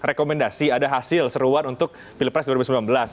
rekomendasi ada hasil seruan untuk pilpres dua ribu sembilan belas